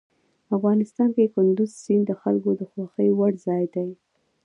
افغانستان کې کندز سیند د خلکو د خوښې وړ ځای دی.